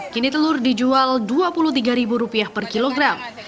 kini telur dijual dua puluh tiga ribu rupiah per kilogram